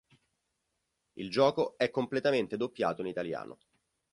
Il gioco è completamente doppiato in italiano.